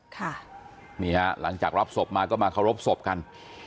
ค่ะนี่ฮะหลังจากรับศพมาก็มาเคารพศพกัน